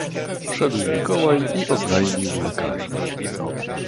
"Wszedł Mikołaj i oznajmił lekarzy."